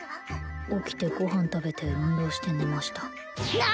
起きてご飯食べて運動して寝ましたな！